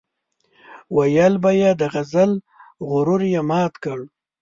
ويل به يې د غزل غرور یې مات کړ.